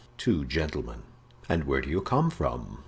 "Two gentlemen." "And where do you come from?"